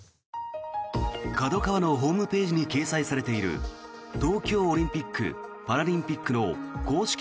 ＫＡＤＯＫＡＷＡのホームページに掲載されている東京オリンピック・パラリンピックの公式